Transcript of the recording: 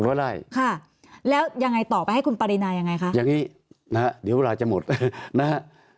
ไล่ค่ะแล้วยังไงต่อไปให้คุณปรินายังไงคะอย่างนี้นะฮะเดี๋ยวเวลาจะหมดนะฮะ